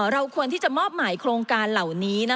เราควรที่จะมอบหมายโครงการเหล่านี้